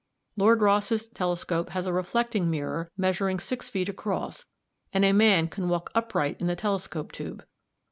Lord Rosse's telescope has a reflecting mirror measuring six feet across, and a man can walk upright in the telescope tube.